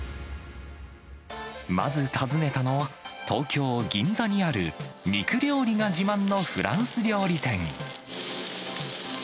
まず訪ねたのは、東京・銀座にある肉料理が自慢のフランス料理店。